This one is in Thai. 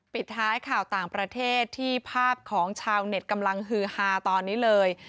ปิดท้ายข่าวต่างประเทศที่ภาพของชาวเน็ตกำลังฮือฮาตอนนี้เลย